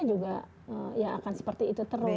juga ya akan seperti itu terus